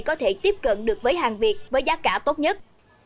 có thể tiếp cận được với hàng việt với giá cả tốt nhất